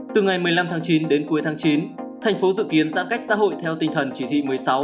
từ ngày một mươi năm tháng chín đến cuối tháng chín thành phố dự kiến giãn cách xã hội theo tinh thần chỉ thị một mươi sáu